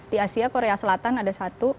di asia korea selatan ada satu